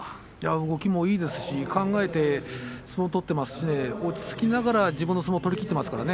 動きもいいですし考えて相撲を取っていますし落ち着きながら相撲を取っていますからね。